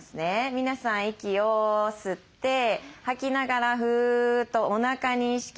皆さん息を吸って吐きながらフーッとおなかに意識です。